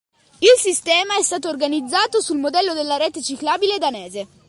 Il sistema è stato organizzato sul modello della rete ciclabile danese.